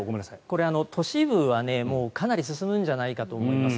これは都市部はかなり進むんじゃないかと思います。